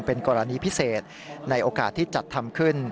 เป็นกรณีพิเศษในโอกาสที่จัดทำขึ้น